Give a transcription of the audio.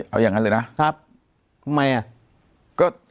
เอาอย่างนั้นเลยนะครับทำไม